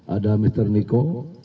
ada mr niko